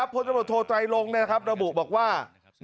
พรโทตรายลงบอกว่า